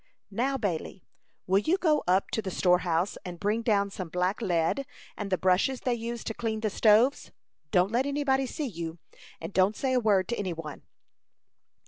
"Now, Bailey, will you go up to the store house, and bring down some black lead, and the brushes they use to clean the stoves. Don't let any body see you, and don't say a word to any one."